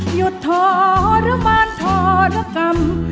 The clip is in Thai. หยุดทรมานทรกรรม